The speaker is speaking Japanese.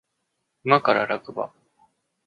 馬から落馬